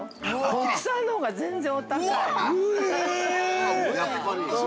国産のほうが全然お高い。